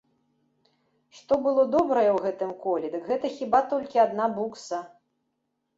Што было добрае ў гэтым коле, дык гэта хіба толькі адна букса.